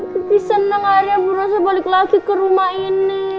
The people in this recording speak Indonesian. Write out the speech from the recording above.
kiki senang akhirnya ibu rosa balik lagi ke rumah ini